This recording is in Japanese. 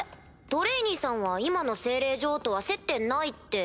トレイニーさんは今の精霊女王とは接点ないって。